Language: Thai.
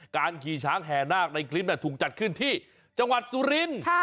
ขี่ช้างแห่นาคในคลิปถูกจัดขึ้นที่จังหวัดสุรินทร์